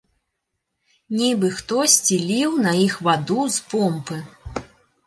Нібы хтосьці ліў на іх ваду з помпы.